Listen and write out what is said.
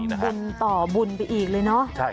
ได้ทำบุญต่อบุญไปอีกเลยเนาะ